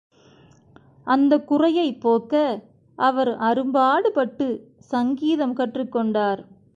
அந்தக் குறையைப் போக்க அவர் அரும்பாடு பட்டுச் சங்கீதம் கற்றுக் கொண்டார்.